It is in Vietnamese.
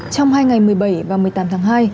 trong hai ngày một mươi bảy và một mươi tám tháng hai